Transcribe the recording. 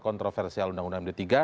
kontroversial undang undang md tiga